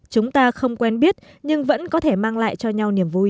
chúng ta không quen biết nhưng vẫn có thể mang lại cho nhau niềm vui